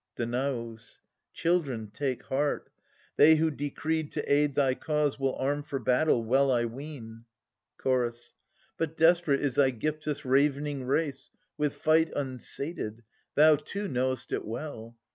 Danaus. Children, take heart ; they who decreed to aid Thy cause will arm for battle, well I ween. THE SUPPLIANT MAIDENS. 37 Chorus. But desperate is ^gyptus' ravening race, With fight unsated ; thoutomlnow'st it well.